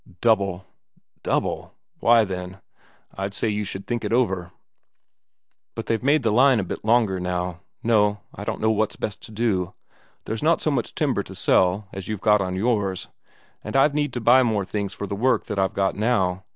"Double." "Double? Why, then, I'd say you should think it over." "But they've made the line a bit longer now. No, I don't know what's best to do there's not so much timber to sell here as you've got on yours, and I've need to buy more things for the work that I've got now.